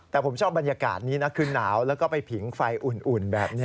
แต่ผมชอบบรรยากาศนี้นะคือหนาวแล้วก็ไปผิงไฟอุ่นแบบนี้